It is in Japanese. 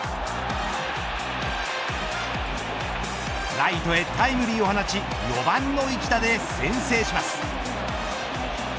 ライトへタイムリーを放ち４番の一打で先制します。